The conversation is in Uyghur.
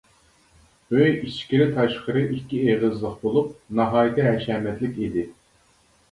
ئۆي ئىچكىرى-تاشقىرى ئىككى ئېغىزلىق بولۇپ، ناھايىتى ھەشەمەتلىك ئىدى.